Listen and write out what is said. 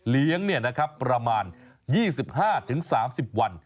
เลี้ยงเนี่ยนะครับประมาณ๒๕๓๐วัน